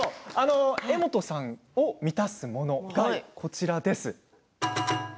柄本さんを満たすくれるもの、こちらです。